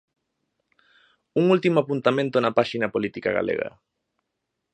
Un último apuntamento na páxina política galega...